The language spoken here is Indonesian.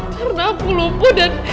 karena aku lumpuh dan